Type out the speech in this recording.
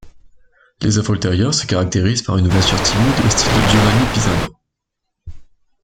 Les œuvres ultérieures se caractérisent par une ouverture timide au style de Giovanni Pisano.